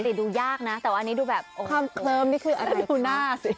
ดูยากนะแต่ว่าอันนี้ดูแบบความเคลิ้มนี่คืออะไรดูหน้าสิ